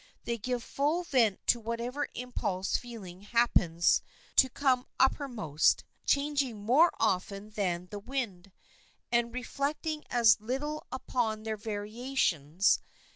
They give full vent to whatever impulsive feeling happens to come uppermost, changing more often than the wind, and reflecting as little upon their variations.